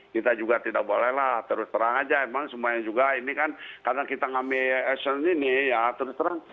kita juga tidak bolehlah terus terang aja emang semuanya juga ini kan karena kita ngambil ession ini ya terus terang